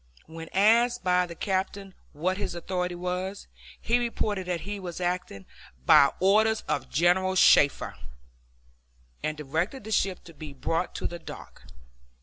When asked by the captain what his authority was, he reported that he was acting "by orders of General Shafter," and directed the ship to be brought to the dock.